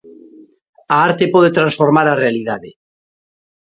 A arte pode transformar a realidade.